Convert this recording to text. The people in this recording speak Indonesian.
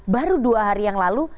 baru dua hari yang lalu